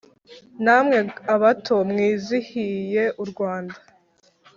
Namwe abato mwizihiye u Rwanda,